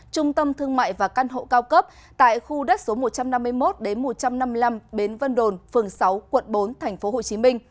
trung tâm thương mại và căn hộ cao cấp tại khu đất số một trăm năm mươi một một trăm năm mươi năm bến vân đồn phường sáu quận bốn tp hcm